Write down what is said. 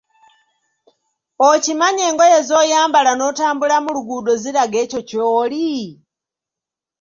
Okimanyi engoye z‘oyambala n‘otambula mu luguudo ziraga ekyo ky‘oli?